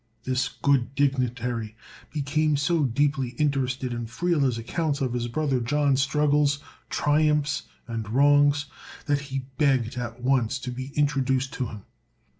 This good dignitary became so deeply interested in Friele's accounts of his brother John's struggles, triumphs, and wrongs, that he begged at once to be introduced to him.